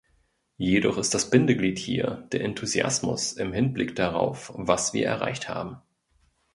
Jedoch ist das Bindeglied hier der Enthusiasmus im Hinblick darauf, was wir erreicht haben.